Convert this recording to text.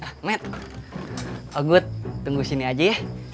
kemet ogut tunggu sini aja ya